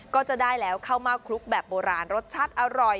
ก็จะได้แล้วข้าวเมาก์ทิศัลป์แบบโบราณรสชัดอร่อย